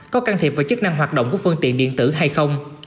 có can thiệp vào chức năng hoạt động của phương tiện điện tử hay không